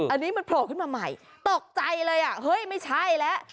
อันนี้มันโผล่ขึ้นมาใหม่ตกใจเลยอ่ะเฮ้ยไม่ใช่แล้ว